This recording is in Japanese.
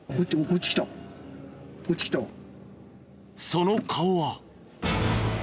その顔は。